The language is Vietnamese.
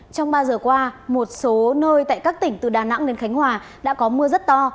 trong ba giờ qua một số nơi tại các tỉnh từ đà nẵng đến khánh hòa đã có mưa rất to